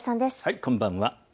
こんばんは。